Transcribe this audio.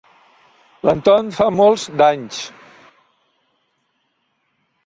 L'Anton fa molt d'anys.